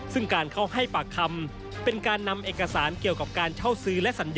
ซึ่งการเข้าให้ปากคำเป็นการนำเอกสารเกี่ยวกับการเช่าซื้อและสัญญา